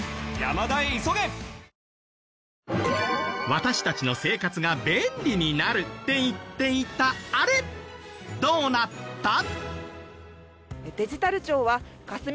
私たちの生活が便利になるって言っていたあれどうなった？